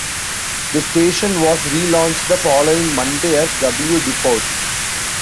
The station was relaunched the following Monday as W Deportes.